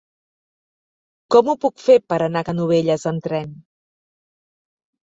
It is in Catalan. Com ho puc fer per anar a Canovelles amb tren?